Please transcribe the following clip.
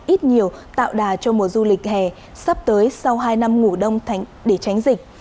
ít nhiều tạo đà cho mùa du lịch hè sắp tới sau hai năm ngủ đông để tránh dịch